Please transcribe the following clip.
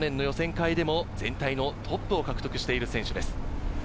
去年の予選会でも全体のトップを獲得している選手です。